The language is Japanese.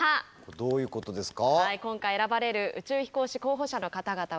どういうことですか？